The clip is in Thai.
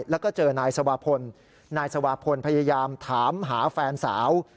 แล้วก็เจอนายสวาพลนายสวาพลพยายามถามหาแฟนสาว